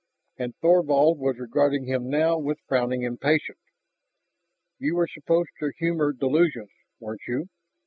And Thorvald was regarding him now with frowning impatience. You were supposed to humor delusions, weren't you?